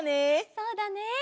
そうだね。